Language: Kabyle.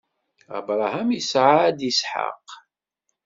Abṛaham isɛa-d Isḥaq.